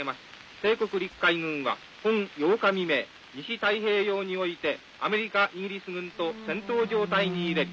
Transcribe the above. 帝国陸海軍は本８日未明西太平洋においてアメリカイギリス軍と戦闘状態に入れり。